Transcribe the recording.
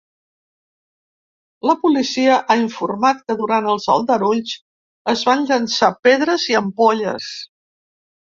La policia ha informat que durant els aldarulls es van llançar pedres i ampolles.